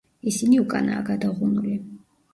ისინი უკანაა გადაღუნული.